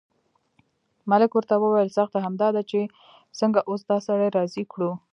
ملک ورته وویل سخته همدا ده چې څنګه اوس دا سړی راضي کړو.